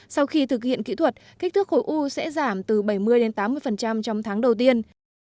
sau khi thực hiện kỹ thuật kích thước khối u sẽ giảm từ bảy mươi đến tám mươi trong tháng đầu tiên